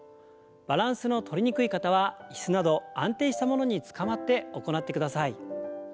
バランスのとりにくい方は椅子など安定したものにつかまって行ってください。